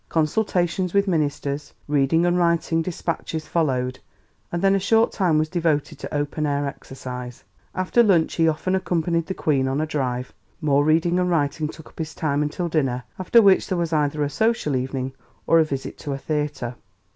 Consultations with ministers, reading and writing dispatches followed, and then a short time was devoted to open air exercise. After lunch he often accompanied the Queen on a drive. More reading and writing took up his time until dinner, after which there was either a social evening or a visit to a theatre.